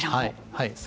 はい。